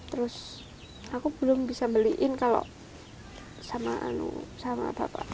terus aku belum bisa beliin kalau sama bapak